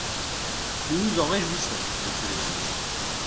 Nous nous en réjouissons, monsieur le ministre.